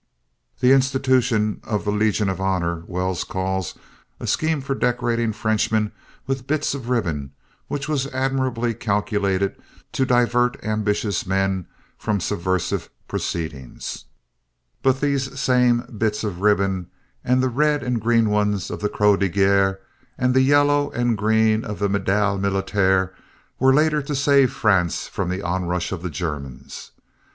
The institution of the Legion of Honor Wells calls "A scheme for decorating Frenchmen with bits of ribbon which was admirably calculated to divert ambitious men from subversive proceedings." But these same bits of ribbon and the red and green ones of the Croix de Guerre and the yellow and green of the Médaille Militaire were later to save France from the onrush of the Germans.